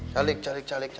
calik calik calik